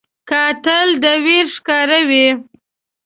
قاتل د ویر ښکاروي